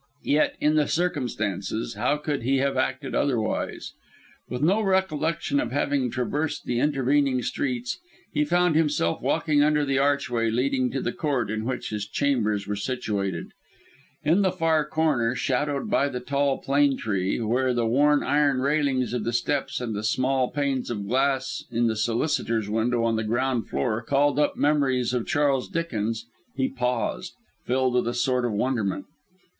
Yet, in the circumstances, how could he have acted otherwise? With no recollection of having traversed the intervening streets, he found himself walking under the archway leading to the court in which his chambers were situated; in the far corner, shadowed by the tall plane tree, where the worn iron railings of the steps and the small panes of glass in the solicitor's window on the ground floor called up memories of Charles Dickens, he paused, filled with a sort of wonderment.